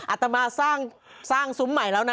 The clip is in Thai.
อาตมาสร้างซุ้มใหม่แล้วนะ